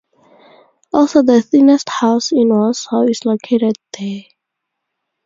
Also the thinnest house in Warsaw is located there.